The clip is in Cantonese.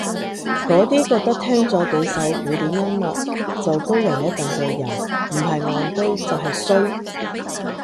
嗰啲覺得聽咗幾首古典音樂就高人一等嘅人唔係戇居就係衰